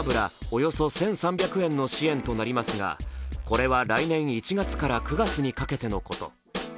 およそ１３００円の支援となりますがこれは来年１月から９月にかけてのこと。